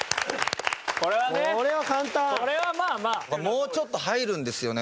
もうちょっと入るんですよね